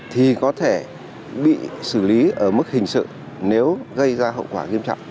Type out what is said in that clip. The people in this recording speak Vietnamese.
thì có thể bị xử lý ở mức hình sự nếu gây ra hậu quả nghiêm trọng